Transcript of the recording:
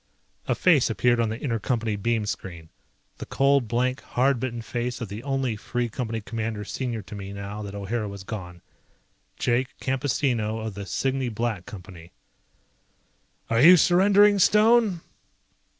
A face appeared on the inter Company beam screen. The cold, blank, hard bitten face of the only Free Company Commander senior to me now that O'Hara was gone, Jake Campesino of the Cygne Black Company. "Are you surrendering, Stone?"